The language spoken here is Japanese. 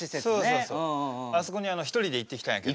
あそこに一人で行ってきたんやけど。